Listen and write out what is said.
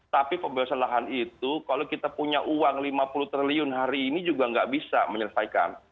tapi pembebasan lahan itu kalau kita punya uang lima puluh triliun hari ini juga nggak bisa menyelesaikan